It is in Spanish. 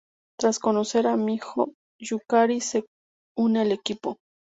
Tras conocer a Miho, Yukari se une al equipo.